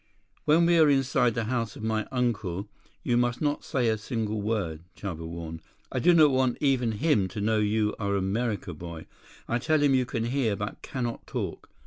"When we are inside the house of my uncle, you must not say a single word," Chuba warned. "I do not want even him to know you are America boy. I tell him you can hear but cannot talk.